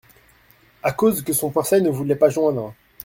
À cause que son corset ne voulait pas joindre !